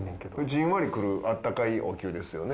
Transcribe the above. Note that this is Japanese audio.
じんわりくるあったかいお灸ですよね？